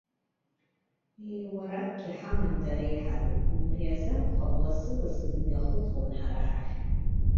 Еиуаракгьы ҳаман дареи ҳареи, убри азакәхап, лассы-лассы дымҩахыҵлон ҳара ҳахь.